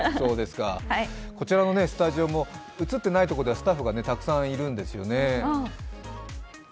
こちらのスタジオも、映ってないとこでスタッフがたくさんいるんですね。